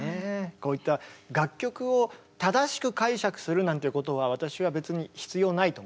こういった楽曲を正しく解釈するなんていうことは私は別に必要ないと思ってるんですけど。